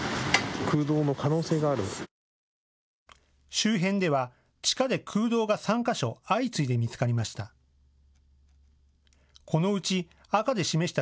周辺では地下で空洞が３か所、相次いで見つかりました。